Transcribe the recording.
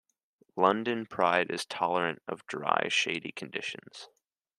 London Pride is tolerant of dry, shady conditions.